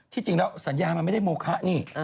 จริงแล้วสัญญามันไม่ได้โมคะนี่